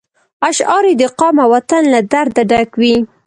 اشعار یې د قام او وطن له درده ډک وي.